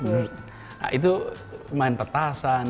nah itu main petasan